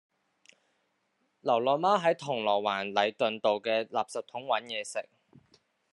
流浪貓喺銅鑼灣禮頓道嘅垃圾桶搵野食